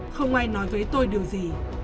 không ai nói với tôi điều gì